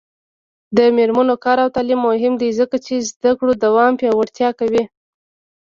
د میرمنو کار او تعلیم مهم دی ځکه چې زدکړو دوام پیاوړتیا کوي.